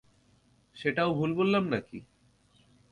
সেটাও ভুল বললাম নাকি?